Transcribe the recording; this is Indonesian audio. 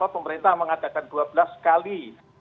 pemerintah mengadakan dua belas kali